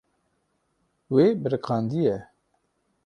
Wê biriqandiye.